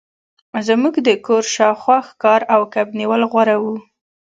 زموږ د کور شاوخوا ښکار او کب نیول غوره وو